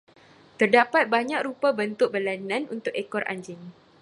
Terdapat banyak rupa bentuk berlainan untuk ekor anjing.